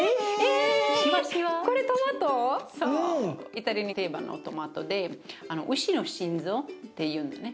イタリアの定番のトマトで牛の心臓っていうんだね。